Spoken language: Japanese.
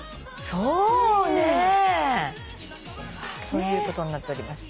・そうね。ということになっております。